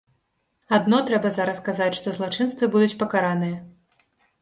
Адно, трэба зараз казаць, што злачынствы будуць пакараныя.